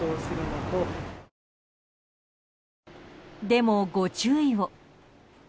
でも、ご注意を。